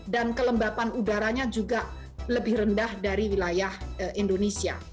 dan kelembapan udaranya juga lebih rendah dari wilayah indonesia